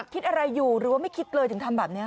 คิดอะไรอยู่หรือว่าไม่คิดเลยถึงทำแบบนี้